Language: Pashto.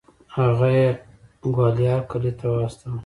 هغه یې ګوالیار قلعې ته واستوه.